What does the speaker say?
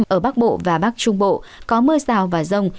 ở bắc bộ và bắc trung bộ có mưa rào và rông